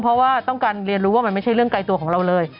เพราะว่าต้องการเรียนรู้ว่ามันไม่ใช่เรื่องไกลตัวของเราเลย